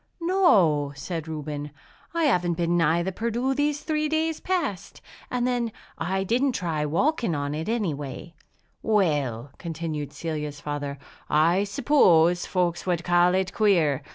"No," said Reuben, "I haven't been nigh the Perdu these three days past. And then I didn't try walking on it, any way." "Well," continued Celia's father, "I suppose folks would call it queer!